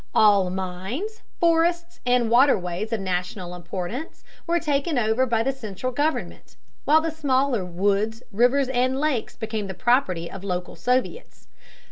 All mines, forests, and waterways of national importance were taken over by the central government, while the smaller woods, rivers, and lakes became the property of the local Soviets.